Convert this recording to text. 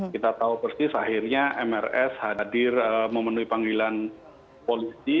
kita tahu persis akhirnya mrs hadir memenuhi panggilan polisi